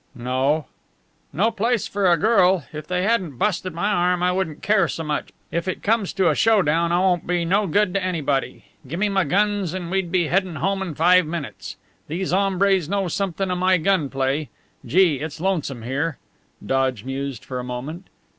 "No." "No place for a girl. If they hadn't busted my arm I wouldn't care so much! If it comes to a show down I won't be no good to anybody. Gimme my guns and we'd be headin' home in five minutes. These hombres know somethin' o' my gun play. Gee, it's lonesome here!" Dodge mused for a moment.